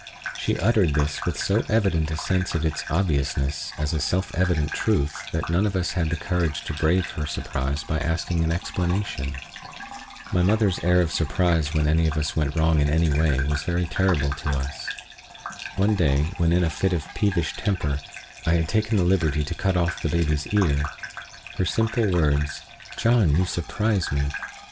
She uttered this with so evident a sense of its obviousness as a self evident truth that none of us had the courage to brave her surprise by asking an explanation. My mother's air of surprise when any of us went wrong in any way was very terrible to us. One day, when in a fit of peevish temper, I had taken the liberty to cut off the baby's ear, her simple words, "John, you surprise me!"